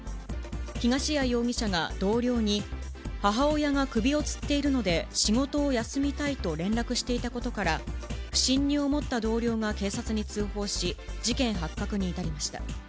東谷容疑者が同僚に、母親が首をつっているので仕事を休みたいと連絡していたことから、不審に思った同僚が警察に通報し、事件発覚に至りました。